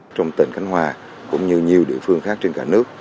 trong tỉnh khánh hòa cũng như nhiều địa phương khác trên cả nước